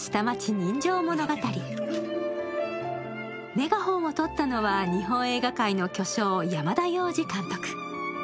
メガホンをとったのは日本映画界の巨匠山田洋次監督。